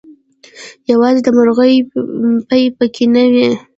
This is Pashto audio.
يوازې دمرغۍ پۍ پکې نه وې